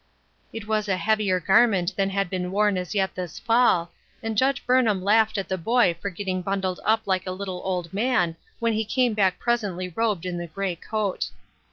It was a heavier garment than had been worn as yet this fall, and Judge Burnham laughed at the boy for being bundled up like a little old man when he came back presently robed in the gray coat.